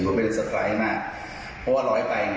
แต่แบบสิวว่าเป็นสไตร์มากเพราะว่าร้อยไป